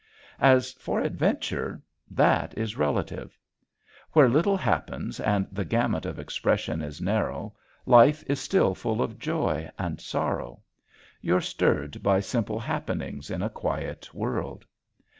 As for adventure, that is relative. Where little happens and the gamut of expression is narrow life is still full of joy and sorrow. You're stirred by simple happenings in a quiet world.